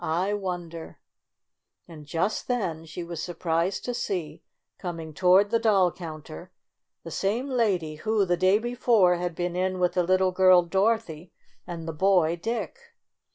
I wonder M And just then she was surprised to see, coming toward the doll counter, the same lady who, the day before, had been in with the little girl Dorothy and the boy Dick.